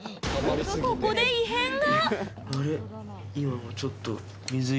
ここで異変が！